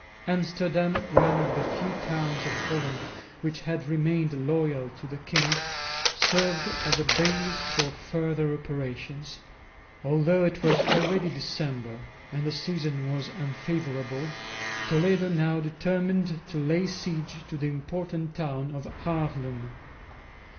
Amsterdam, one of the few towns of Holland which had remained loyal to the king, served as a basis for further operations. Although it was already December and the season was unfavourable, Toledo now determined to lay siege to the important town of Haarlem.